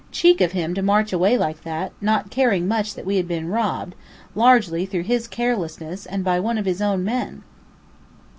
Cheek of him to march away like that, not caring much that we had been robbed, largely through his carelessness, and by one of his own men!